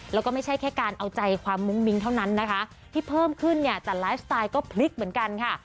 แล้วก็ไม่ใช่แค่การเอาใจความมุ้งมิ้งเท่านั้นนะคะที่เพิ่มขึ้นเนี่ยแต่ไลฟ์สไตล์ก็พลิกเหมือนกันค่ะ